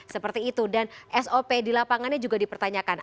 seperti itu dan sop di lapangannya juga dipertanyakan